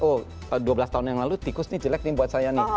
oh dua belas tahun yang lalu tikus ini jelek nih buat saya nih